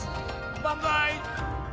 「バンザイ！」。